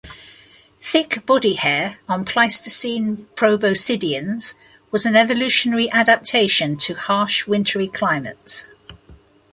Thick body hair on Pleistocene proboscideans was an evolutionary adaptation to harsh wintery climates.